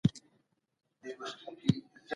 « خدای دي نه ورکوي